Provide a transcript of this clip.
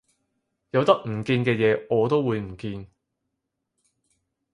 有得唔見嘅嘢我都會唔見